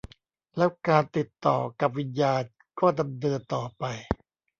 แล้วการติดต่อกับวิญญานก็ดำเนินต่อไป